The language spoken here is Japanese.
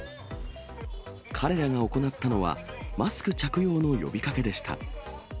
彼らが行ったのは、マスク着用の呼びかけでした。